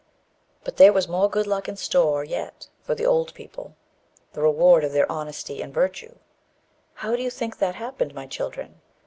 But there was more good luck in store yet for the old people the reward of their honesty and virtue. How do you think that happened, my children?